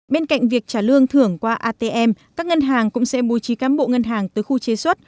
bên cạnh việc trả lương thưởng qua atm các ngân hàng cũng sẽ bùi trí cám bộ ngân hàng tới khu chế suất